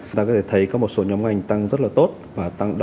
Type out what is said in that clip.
chúng ta có thể thấy có một số nhóm ngành tăng rất là tốt